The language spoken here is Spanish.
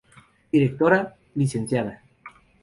Directora: Lic.